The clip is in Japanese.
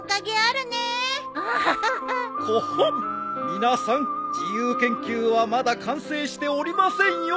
皆さん自由研究はまだ完成しておりませんよ。